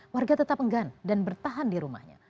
warga tetap enggan dan bertahan di rumahnya